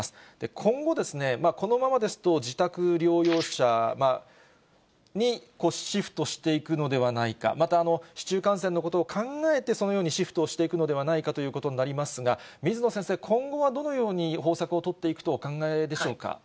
今後ですね、このままですと、自宅療養者にシフトしていくのではないか、また、市中感染のことを考えて、そのようにシフトをしていくのではないかということになりますが、水野先生、今後はどのように方策を取っていくとお考えでしょうか。